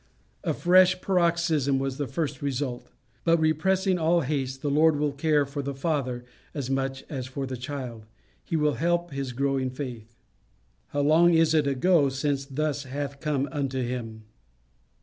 A fresh paroxysm was the first result. But repressing all haste, the Lord will care for the father as much as for the child. He will help his growing faith. "How long is it ago since thus hath come unto him?"